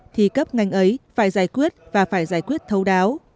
thì cấp ngành ấy phải giải quyết và phải giải quyết thấu đáo